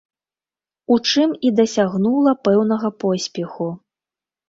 У чым і дасягнула пэўнага поспеху.